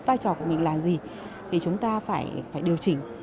vai trò của mình là gì thì chúng ta phải điều chỉnh